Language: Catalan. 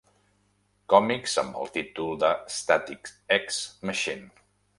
Còmics amb el títol de Static-X Machine.